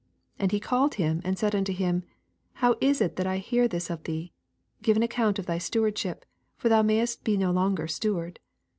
2 And he called him, and said unto him. How is it that I hear this of thee ? give an account of thy steward ship ; for thou mayest be no longer steward.